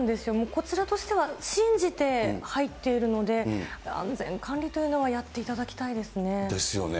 こちらとしては信じて入っているので、安全管理というのはやってですよね。